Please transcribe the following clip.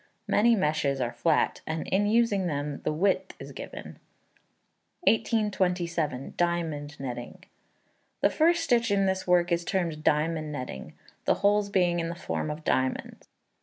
Many meshes are flat; and in using them the width is given. 1827. Diamond Netting. The first stitch in this work is termed diamond netting, the holes being in the form of diamonds.